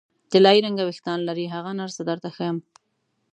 طلايي رنګه وریښتان لري، هغه نرسه درته ښیم.